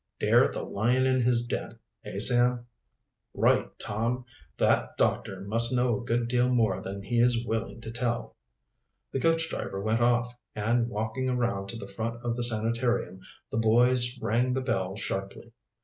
"Dare the lion in his den; eh, Sam?" "Right, Tom! That doctor must know a good deal more than he is wiling to tell." The coach driver went off, and walking around to the front of the sanitarium the boys rang the bell sharply.